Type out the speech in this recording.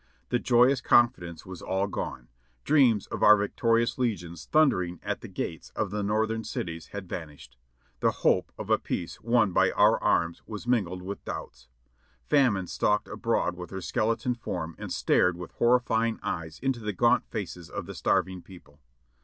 The joyous confidence was all gone ; dreams of our victorious le gions thundering at the gates of the Northern cities had van ished ; the hope of a peace won by our arms was mingled with doubts; famine stalked abroad with her skeleton form and stared Avith horrifying eyes into the gaunt faces of the starving people.